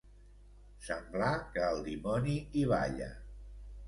Semblar que el dimoni hi balla.